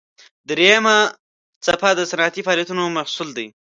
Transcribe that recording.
دریمه څپه د صنعتي فعالیتونو محصول دی.